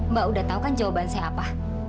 mbak udah tau kan jawaban saya apa